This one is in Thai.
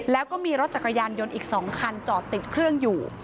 แล้วก็มีรถจักรยานยนต์อีก๒คันจอดติดเครื่องอยู่